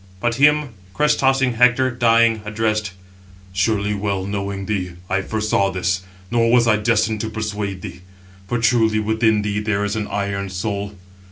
But him crest tossing Hector, dying, addressed: "Surely well knowing thee, I foresaw this, nor was I destined to persuade thee; for truly within thee there is an iron soul.